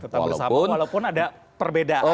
tetap bersama walaupun ada perbedaan